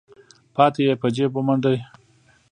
پاتې يې په جېب ومنډه.